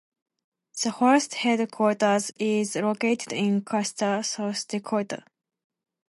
The forest headquarters is located in Custer, South Dakota.